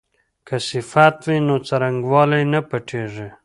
که صفت وي نو څرنګوالی نه پټیږي.